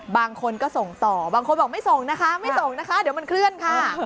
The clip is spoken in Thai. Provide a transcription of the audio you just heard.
บางคนก็ส่งต่อบางคนบอกไม่ส่งนะคะไม่ส่งนะคะเดี๋ยวมันเคลื่อนค่ะ